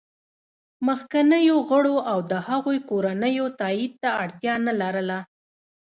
مخکینیو غړو او د هغوی کورنیو تایید ته اړتیا نه لرله